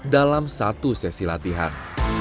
dalam satu sesi latihan